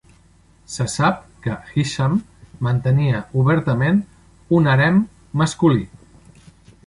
Se sap que Hisham mantenia obertament un harem masculí.